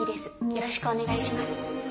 よろしくお願いします。